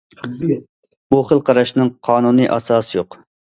بۇ خىل قاراشنىڭ قانۇنى ئاساسى يوق.